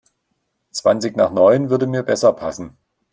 Zwanzig nach neun würde mir besser passen.